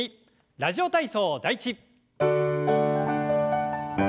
「ラジオ体操第１」。